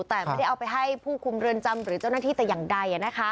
แต่ไม่ได้เอาไปให้ผู้คุมเรือนจำหรือเจ้าหน้าที่แต่อย่างใด